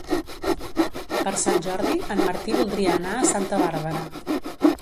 Per Sant Jordi en Martí voldria anar a Santa Bàrbara.